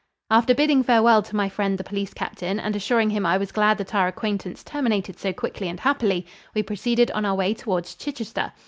After bidding farewell to my friend the police captain and assuring him I was glad that our acquaintance terminated so quickly and happily, we proceeded on our way towards Chichester.